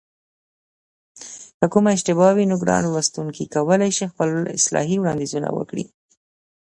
که کومه اشتباه وي نو ګران لوستونکي کولای شي خپل اصلاحي وړاندیزونه وکړي